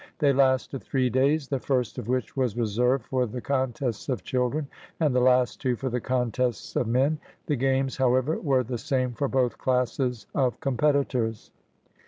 They lasted three days, the first of which was reserved for the contests of children, and the last two for the contests of men; the games, however, were the same for both classes of competitors.